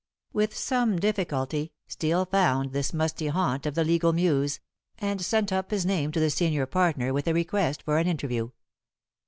With some difficulty Steel found this musty haunt of the legal Muse, and sent up his name to the senior partner with a request for an interview.